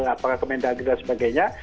apakah kemendagang dan sebagainya